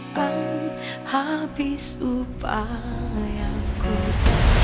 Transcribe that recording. kamu yang ku takut